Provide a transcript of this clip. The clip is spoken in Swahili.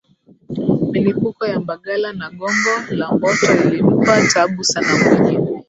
Milipuko ya Mbagala na Gongo la mboto ilimpa tabu sana Mwinyi